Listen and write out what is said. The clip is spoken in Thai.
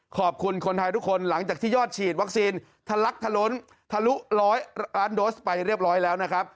ขอบคุณคนไทยทุกคนหลังจากที่ยอดฉีดวัคซีนทะลักทะล้นทะลุร้อยล้านโดสไปเรียบร้อยแล้วนะครับ